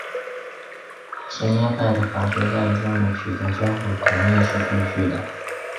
什叶派的法学家也认为取得监护人同意是必须的。